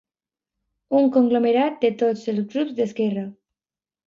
Un conglomerat de tots els grups d'esquerra.